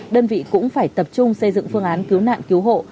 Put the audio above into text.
đơn vị cũng phải tập trung xây dựng phương án cứu nạn cứu hộ